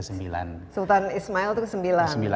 sultan ismail itu sembilan